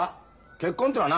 結婚ってのはな